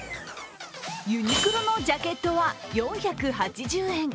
ユニクロのジャケットは４８０円。